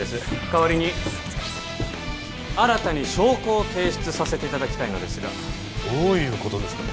代わりに新たに証拠を提出させていただきたいのですがどういうことですか？